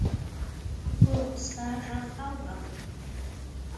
هو! ستا ږغ اورم.